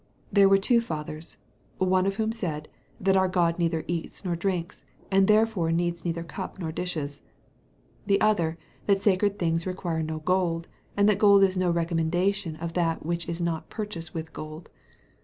There were two fathers, of whom one said, that our God neither eats nor drinks, and therefore needs neither cups nor dishes; the other, that sacred things require no gold, and that gold is no recommendation of that which Is not purchased with gold.